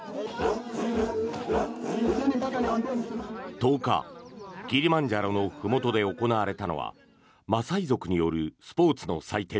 １０日キリマンジャロのふもとで行われたのはマサイ族によるスポーツの祭典